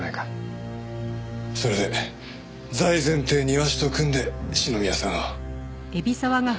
それで財前って庭師と組んで篠宮さんを。